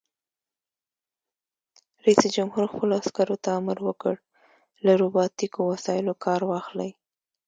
رئیس جمهور خپلو عسکرو ته امر وکړ؛ له روباټیکو وسایلو کار واخلئ!